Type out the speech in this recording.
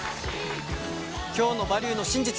今日の「バリューの真実」